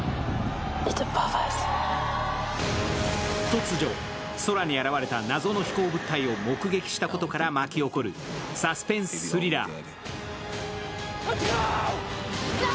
突如、空に現れた謎の飛行物体を目撃したことから巻き起こるサスペンス・スリラー。